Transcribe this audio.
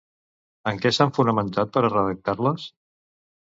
En què s'han fonamentat per a redactar-les?